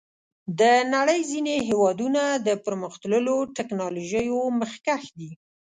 د نړۍ ځینې هېوادونه د پرمختللو ټکنالوژیو مخکښ دي.